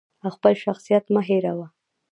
خپل شخصیت مه هیروه!